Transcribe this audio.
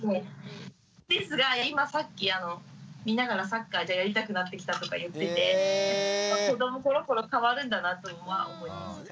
ですが今さっき見ながらサッカーやりたくなってきたとか言ってて子どもころころ変わるんだなと思いますね。